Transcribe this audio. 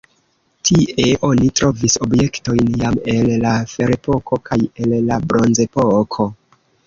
Tie oni trovis objektojn jam el la ferepoko kaj el la bronzepoko.